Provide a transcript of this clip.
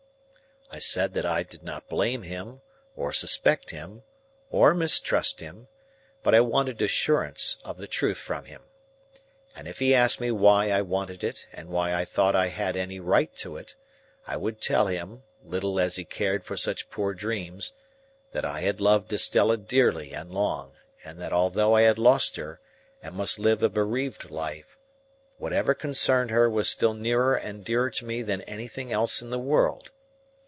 I said that I did not blame him, or suspect him, or mistrust him, but I wanted assurance of the truth from him. And if he asked me why I wanted it, and why I thought I had any right to it, I would tell him, little as he cared for such poor dreams, that I had loved Estella dearly and long, and that although I had lost her, and must live a bereaved life, whatever concerned her was still nearer and dearer to me than anything else in the world.